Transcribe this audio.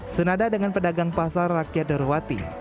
senada dengan pedagang pasar rakyat darwati